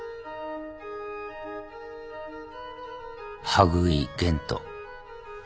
羽喰玄斗。